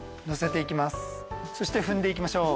そして踏んでいきましょう。